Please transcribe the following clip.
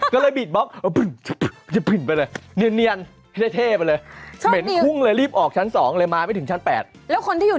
ก็เลยบีดบล็อกปึ่งไปเลย